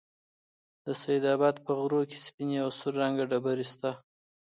د سيدآباد په غرو كې سپينې او سور رنگه ډبرې شته